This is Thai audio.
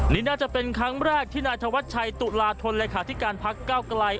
นี่น่าจะเป็นครั้งแรกที่นายธวัชชัยตุลาธนเลขาธิการพักเก้าไกล